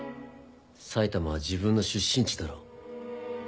埼玉は自分の出身地だろ。